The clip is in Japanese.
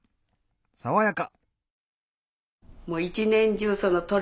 爽やか！